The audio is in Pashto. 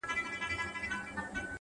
او د بت سترگي يې ښې ور اب پاشي کړې؛